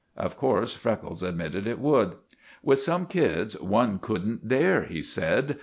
Of course Freckles admitted it would. "With some kids one couldn't dare," he said.